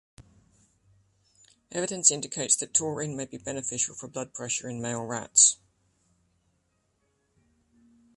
Evidence indicates taurine may be beneficial for blood pressure in male rats.